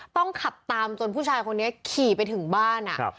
ต้องขับตามจนผู้ชายคนนี้ขี่ไปถึงบ้าน